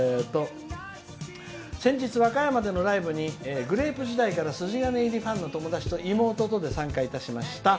「先日、和歌山でのライブにグレープ時代から筋金入りファンの友達と妹とで参加いたしました。